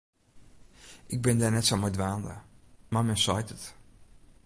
Ik bin dêr net sa mei dwaande, mar men seit it.